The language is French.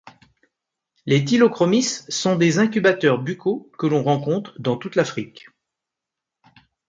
Les Tylochromis sont des incubateurs buccaux, que l'on rencontre dans toute l'Afrique.